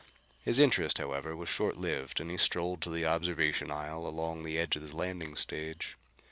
His interest, however, was short lived and he strolled to the observation aisle along the edge of the landing stage.